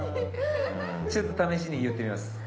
ちょっと試しに言ってみます。